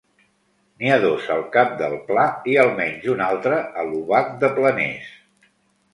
N'hi ha dos al Cap del Pla i almenys un altre a l'Obac de Planers.